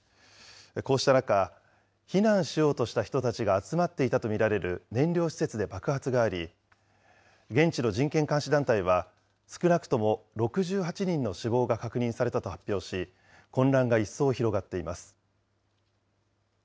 こうした中、避難しようとした人たちが集まっていたと見られる燃料施設で爆発があり、現地の人権監視団体は、少なくとも６８人の死亡が確認されたと発表し、混乱が一層広がっています。